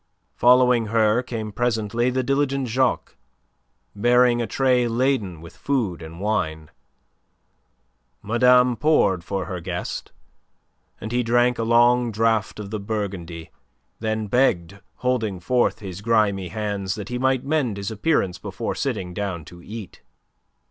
Following her came presently the diligent Jacques, bearing a tray laden with food and wine. Madame poured for her guest, and he drank a long draught of the Burgundy, then begged, holding forth his grimy hands, that he might mend his appearance before sitting down to eat.